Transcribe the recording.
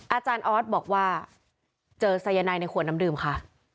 อาจารย์ออสบอกว่าเจอสายนายในขวดน้ำดื่มค่ะ